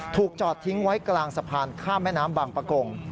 จอดทิ้งไว้กลางสะพานข้ามแม่น้ำบางประกง